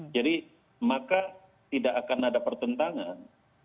jadi maka tidak akan ada pertentangan